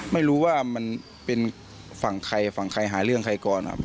ไม่รู้ว่ามันเป็นฝั่งใครฝั่งใครหาเรื่องใครก่อนครับ